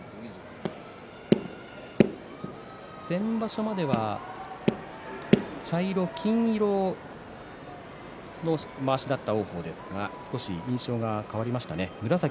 先場所までは茶色、金色のまわしだった王鵬ですが少し印象が変わりましたね。